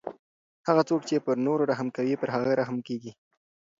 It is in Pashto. هغه څوک چې پر نورو رحم کوي پر هغه رحم کیږي.